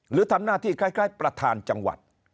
หรือทำหน้าที่คล้ายประธานจังหวัด